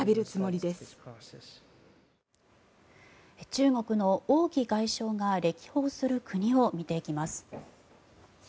中国の王毅外相が歴訪する国を見ていきます。